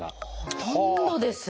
ほとんどですね。